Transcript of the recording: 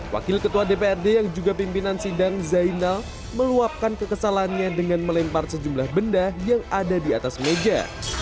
wakil ketua dprd yang juga pimpinan sidang zainal meluapkan kekesalannya dengan melempar sejumlah benda yang ada di atas meja